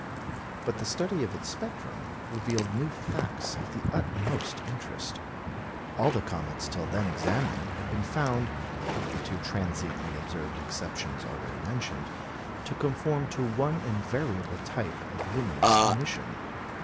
But the study of its spectrum revealed new facts of the utmost interest. All the comets till then examined had been found (with the two transiently observed exceptions already mentioned) to conform to one invariable type of luminous emission.